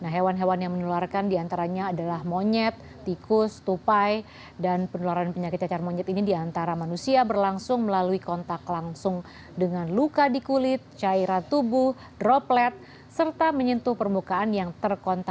hewan hewan yang menularkan di antaranya adalah monyet tikus tupai dan penularan penyakit cacar monyet ini di antara manusia berlangsung melalui kontak langsung dengan luka di kulit cairan tubuh droplet serta menyentuh permukaan yang terkontaminasi virus monkeypox